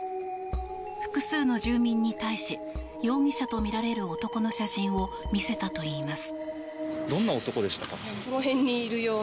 複数の住民に対し容疑者とみられる男の写真を見せたといいます。